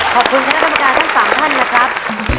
ขอบคุณคณะกรรมการทั้ง๓ท่านนะครับ